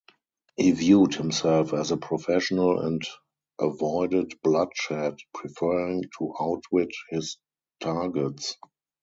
He viewed himself as a professional and avoided bloodshed, preferring to outwit his targets.